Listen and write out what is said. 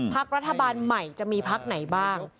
พักรัฐบาลใหม่จะมีพักไหนบ้าง